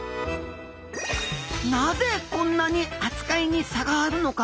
なぜこんなに扱いに差があるのか。